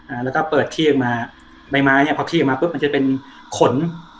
อ่าแล้วก็เปิดที่ออกมาใบไม้เนี้ยพอที่ออกมาปุ๊บมันจะเป็นขน